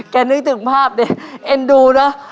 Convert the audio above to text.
แกนึกถึงภาพเนี่ยเอ็นดูเนอะ